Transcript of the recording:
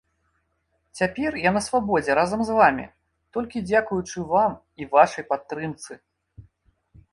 Цяпер я на свабодзе разам з вамі, толькі дзякуючы вам і вашай падтрымцы.